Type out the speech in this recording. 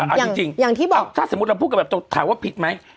อันนี้จริงถ้าสมมติเราถามว่าผิดไหม